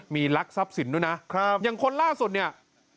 มีลักทรัพย์สินด้วยนะครับอย่างคนล่าสุดเนี่ย